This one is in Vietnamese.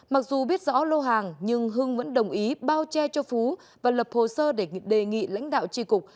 mặc dù biết rõ lô hàng nhưng hưng vẫn đồng ý bao che cho phú và lập hồ sơ để đề nghị lãnh đạo tri cục